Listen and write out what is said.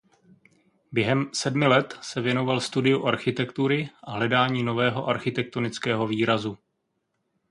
Během sedmi let se věnoval studiu architektury a hledání nového architektonického výrazu.